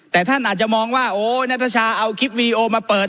แต่ท่านอาจจะมองว่าโอ้นัทชาเอาคลิปวีดีโอมาเปิด